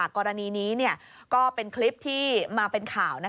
กรณีนี้ก็เป็นคลิปที่มาเป็นข่าว